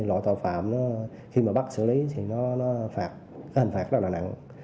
loại tàu phạm khi bắt xử lý thì hình phạt rất là nặng